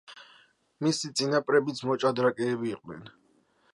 მისი წინაპრებიც მოჭადრაკეები იყვნენ.